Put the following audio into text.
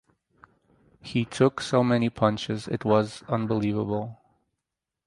He took so many punches it was unbelievable.